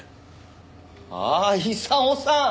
ああ功さん！